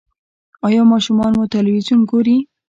ایا ماشومان مو تلویزیون ګوري؟